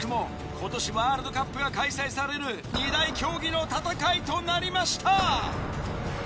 今年ワールドカップが開催される二大競技の戦いとなりました。